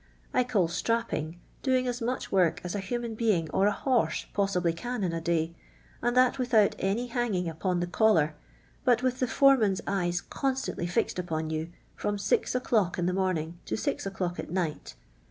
I call ' strapping' doing iM much work as a human being or a horse possibly can in a day, and that without any hang ing upon the collar, but with the foreman's eyes constantly lixed upon you, from six o'clock in the morning to six o'clock at night.